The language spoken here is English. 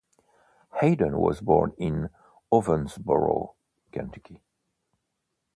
Hayden was born in Owensboro, Kentucky.